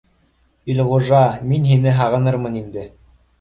Илғужа, мин һине һағынырмын инде